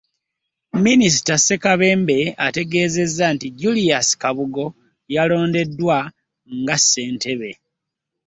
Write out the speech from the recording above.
Minisita Ssekambebe ategeezezza nti Julius Kabugo yalondeddwa nga Ssentebe